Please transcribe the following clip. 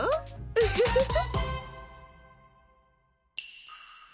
ウフフフ。